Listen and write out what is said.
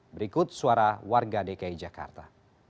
berikut suara warga dki jakarta